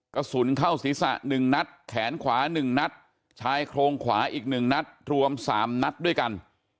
กระสุนเข้าศีรษะ๑นัดแขนขวา๑นัดชายโครงขวาอีก๑นัดรวม๓นัดด้วยกัน